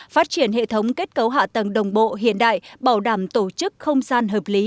phát triển hệ thống kết cấu hạ tầng đồng bộ hiện đại bảo đảm tổ chức không gian hợp lý